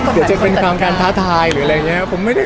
เดี๋ยวจะเป็นความการท้าทายหรืออะไรอย่างนี้